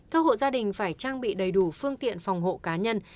các hộ gia đình phải trang bị đầy đủ phương tiện phòng hộ cá nhân